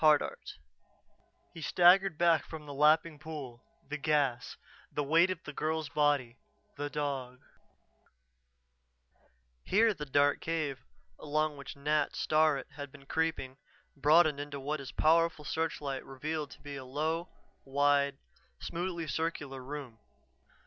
HARDART [Illustration: He staggered back from the lapping pool the gas the weight of the girl's body the dog ] Here the dark cave, along which Nat Starrett had been creeping, broadened into what his powerful searchlight revealed to be a low, wide, smoothly circular room.